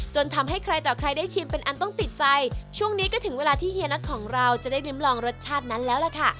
ทำให้ใครต่อใครได้ชิมเป็นอันต้องติดใจช่วงนี้ก็ถึงเวลาที่เฮียน็อตของเราจะได้ริมลองรสชาตินั้นแล้วล่ะค่ะ